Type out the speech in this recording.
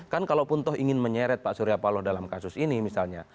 kan kalau pun toh ingin menyeret pak surya palo dalam kasus ini misalnya